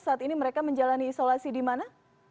saat ini mereka menjalani isolasi di mana